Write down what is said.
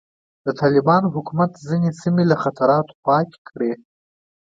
د طالبانو حکومت ځینې سیمې له خطراتو پاکې کړې.